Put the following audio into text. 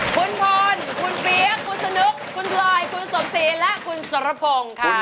คุณพรคุณเปี๊ยกคุณสนุกคุณพลอยคุณสมศรีและคุณสรพงศ์ค่ะ